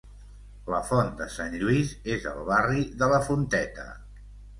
La Font de Sant lluís és al barri de La Fonteta.